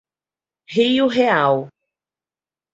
Rio Real